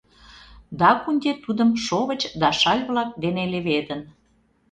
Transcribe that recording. Дакунти тудым шовыч да шаль-влак дене леведын.